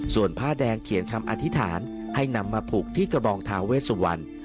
ส่วนผ้าแดงเขียนคำอธิษฐานให้นำมาผูกที่กระบองทาเวสวัน